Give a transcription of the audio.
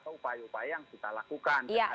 atau upaya upaya yang kita lakukan